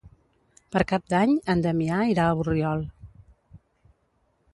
Per Cap d'Any en Damià irà a Borriol.